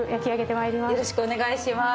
よろしくお願いします。